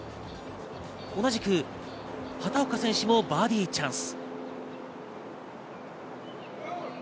同じく畑岡選手もバーディーチャンス。